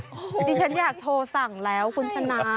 ดิฉันอยากโทรสั่งแล้วคุณชนะ